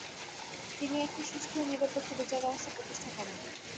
তিনি একটি সুষ্ঠু ও নিরপেক্ষ বিচার ব্যবস্থা প্রতিষ্ঠা করেন।